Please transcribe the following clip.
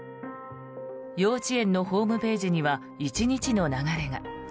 幼稚園のホームページには１日の流れが。